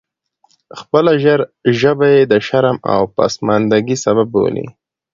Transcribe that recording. خپله ژبه یې د شرم او پسماندګۍ سبب بولي.